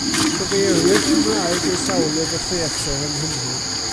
Cyfeirlyfr Cymraeg yw Llawlyfr y Theatr yng Nghymru.